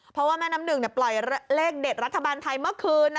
เพราะว่าแม่น้ำหนึ่งปล่อยเลขเด็ดรัฐบาลไทยเมื่อคืน